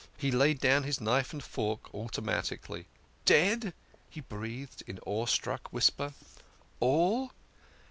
He laid down his knife and fork automatically. "D dead," he breathed in an awestruck whisper. "All?"